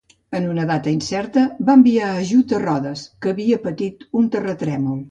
En una data incerta va enviar ajut a Rodes, que havia patit un terratrèmol.